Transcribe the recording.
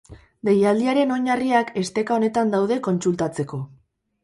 Deialdiaren oinarriak esteka honetan daude kontsultatzeko.